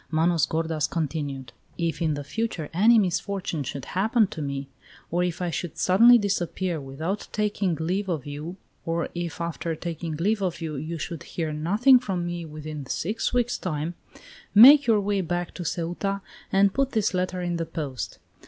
Manos gordas continued: "If, in the future, any misfortune should happen to me, or if I should suddenly disappear without taking leave of you, or if, after taking leave of you, you should hear nothing from me within six weeks' time, make your way back to Ceuta and put this letter in the post.